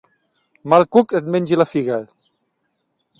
Mal cuc et mengi la figa!